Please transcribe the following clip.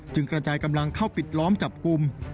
กระจายกำลังเข้าปิดล้อมจับกลุ่ม